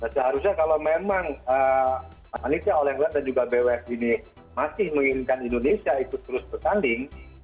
seharusnya kalau memang anitia oleglan dan juga bwf ini masih mengirimkan indonesia ikut terus bertanding